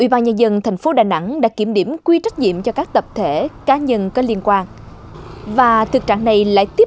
bây giờ một cây mà ngã xuống cấp cấp anh em cậu lên để mà đào hố trầm lại